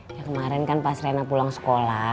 ya kemarin kan pas rena pulang sekolah